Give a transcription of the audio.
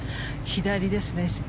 左ですね。